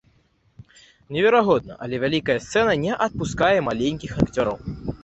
Неверагодна, але вялікая сцэна не адпускае маленькіх акцёраў.